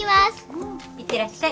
うん。いってらっしゃい。